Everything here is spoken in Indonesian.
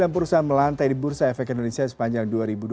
sembilan perusahaan melantai di bursa efek indonesia sepanjang dua ribu dua puluh